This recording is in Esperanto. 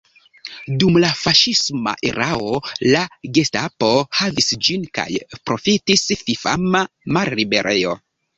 Dum la faŝisma erao la Gestapo havis ĝin kaj profitis fifama malliberejo.